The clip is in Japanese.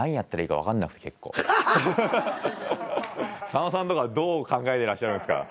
さんまさんとかどう考えてらっしゃるんですか？